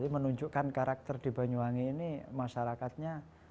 menunjukkan karakter di banyuwangi ini masyarakatnya